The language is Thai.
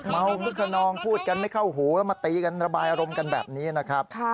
คึกขนองพูดกันไม่เข้าหูแล้วมาตีกันระบายอารมณ์กันแบบนี้นะครับ